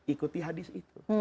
ikuti hadis itu